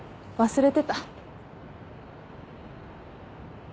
忘れてた。